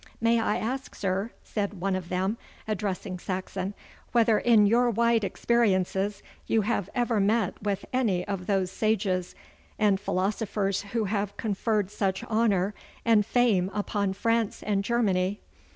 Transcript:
'May I ask, sir,' said one of them, addressing Saxon, 'whether in your wide experiences you have ever met with any of those sages and philosophers who have conferred such honour and fame upon France and Germany?